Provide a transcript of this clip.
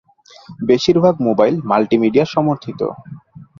বেশিরভাগ mobile multimedia সমর্থিত।